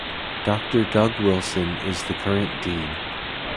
Doctor Doug Wilson is the current Dean.